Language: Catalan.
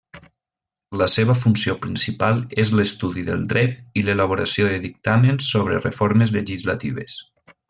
La seva funció principal és l'estudi del dret i l'elaboració de dictàmens sobre reformes legislatives.